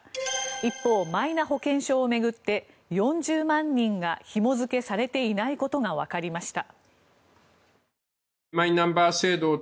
一方、マイナ保険証を巡って４０万人がひも付けされていないことがわかりました。